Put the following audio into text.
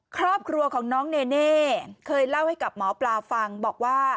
ครอบครัวของน้องเนเน่เคยเล่าให้กับหมอปลาฟังบอกว่า